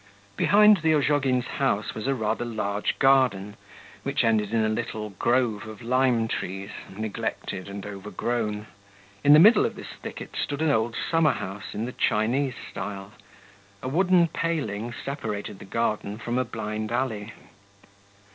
Behind the Ozhogins' house was a rather large garden, which ended in a little grove of lime trees, neglected and overgrown. In the middle of this thicket stood an old summer house in the Chinese style: a wooden paling separated the garden from a blind alley.